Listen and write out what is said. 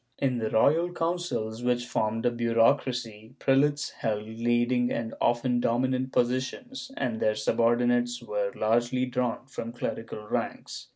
In the royal councils, which formed a bureaucracy, prelates held leading and often dominant positions, and their subordinates were largely drawn from clerical ranks.